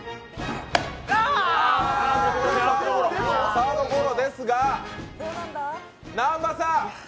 サードゴロですが南波さん！